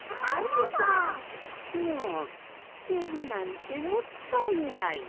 もうすてるなんてもったいない。